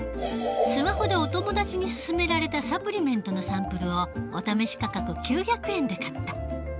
スマホでお友達に薦められたサプリメントのサンプルをお試し価格９００円で買った。